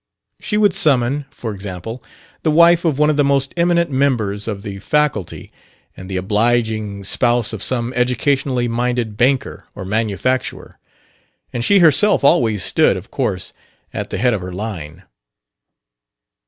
She would summon, for example, the wife of one of the most eminent members of the faculty and the obliging spouse of some educationally minded banker or manufacturer; and she herself always stood, of course, at the head of her line.